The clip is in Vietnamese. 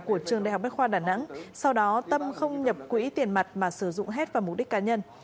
của trường đại học bách khoa đà nẵng sau đó tâm không nhập quỹ tiền mặt mà sử dụng hết vào mục đích cá nhân